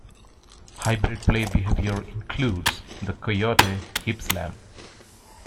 Hybrid play behavior includes the coyote "hip-slam".